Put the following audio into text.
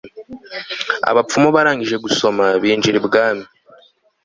abapfumu barangije gusoma, binjira ibwami